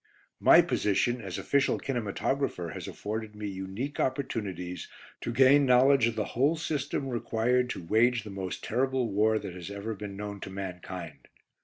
My position as Official Kinematographer has afforded me unique opportunities to gain knowledge of the whole system required to wage the most terrible war that has ever been known to mankind.